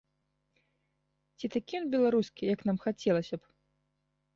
Ці такі ён беларускі, як нам хацелася б?